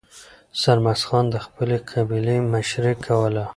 سرمست خان د خپلې قبیلې مشري کوله.